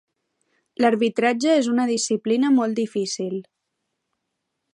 L'arbitratge és una disciplina molt difícil.